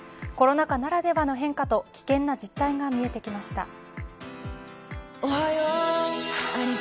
コロナ禍ならではの変化と危険な実態が見えてきました。